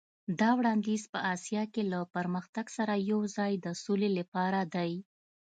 دا وړاندیز په اسیا کې له پرمختګ سره یو ځای د سولې لپاره دی.